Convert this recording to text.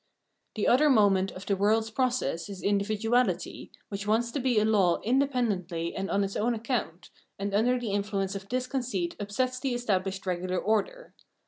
The other moment of the world's process is individu ality, which wants to be a law independently and on its own account, and under the influence of this conceit upsets the estabhshed regular order.